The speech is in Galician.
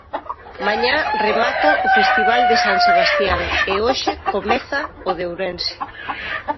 Mañá remata o Festival de San Sebastián e hoxe comeza o de Ourense.